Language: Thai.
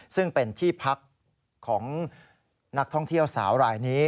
ซึ่งเป็นที่พักของนักท่องเที่ยวสาวรายนี้